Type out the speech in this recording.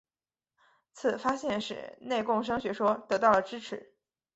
此发现使内共生学说得到了支持。